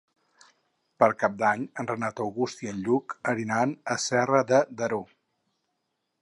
Per Cap d'Any en Renat August i en Lluc aniran a Serra de Daró.